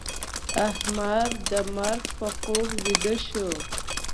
احمد د مرګ په خوب بيده شو.